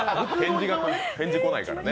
返事来ないからね。